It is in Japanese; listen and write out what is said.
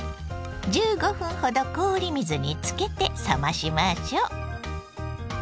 １５分ほど氷水につけて冷ましましょう。